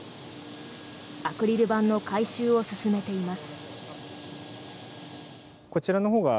アクリル板の回収を進めています。